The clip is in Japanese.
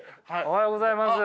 おはようございます！